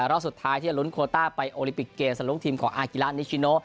รอบสุดท้ายที่จะลุ้นโคต้าไปโอลิปิกเกมสลุกทีมของอากิระนิชิโน